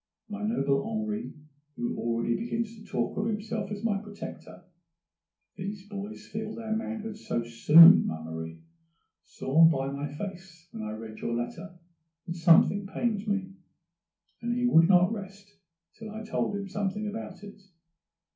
My noble Henri, who already begins to talk of himself as my protector (these boys feel their manhood so soon, ma Marie), saw by my face when I read your letter that something pained me, and he would not rest till I told him something about it.